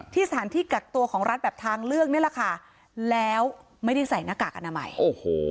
สถานที่กักตัวของรัฐแบบทางเลือกนี่แหละค่ะแล้วไม่ได้ใส่หน้ากากอนามัยโอ้โห